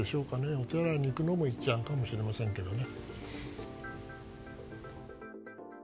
お手洗いに行くのも一案かもしれませんけどね。